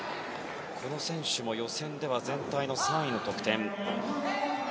この選手も予選では全体の３位の得点。